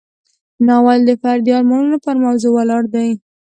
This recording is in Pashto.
ناول د فردي ارمانونو پر موضوع ولاړ دی.